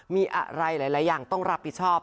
มีอะไรหลายอย่างต้องรับผิดชอบ